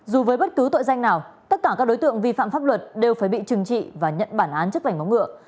dù với bất cứ tội danh nào tất cả các đối tượng vi phạm pháp luật đều phải bị trừng trị và nhận bản án chấp hành bóng ngựa